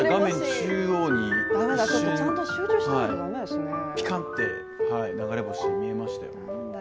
中央に一瞬、ピカッて流れ星が見えましたよ。